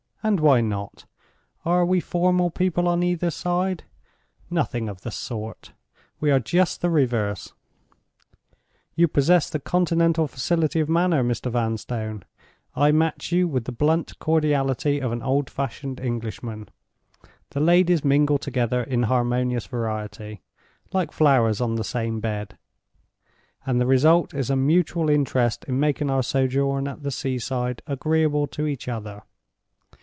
And why not? Are we formal people on either side? Nothing of the sort; we are just the reverse. You possess the Continental facility of manner, Mr. Vanstone—I match you with the blunt cordiality of an old fashioned Englishman—the ladies mingle together in harmonious variety, like flowers on the same bed—and the result is a mutual interest in making our sojourn at the sea side agreeable to each other.